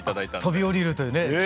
飛び降りるというね。